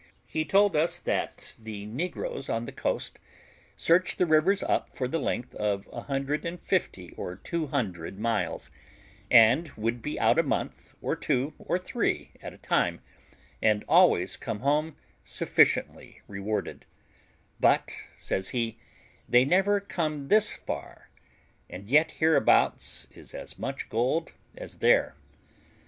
He told us that the negroes on the coast search the rivers up for the length of 150 or 200 miles, and would be out a month, or two, or three at a time, and always come home sufficiently rewarded; "but," says he, "they never come thus far, and yet hereabouts is as much gold as there."